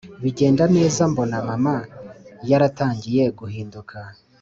Bigenda neza mbona mama yaratangiye guhinduka